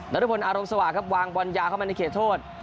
รพลอารมณ์สว่างครับวางบอลยาเข้ามาในเขตโทษ